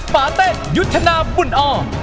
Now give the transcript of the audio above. ปาเต้นยุทธนาบุญอ้อ